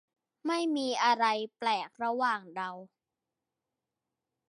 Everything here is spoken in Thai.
ไม่มีอะไรแปลกระหว่างเรา